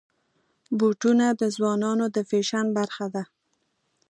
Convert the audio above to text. بوټونه د ځوانانو د فیشن برخه ده.